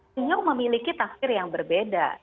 senyum memiliki takdir yang berbeda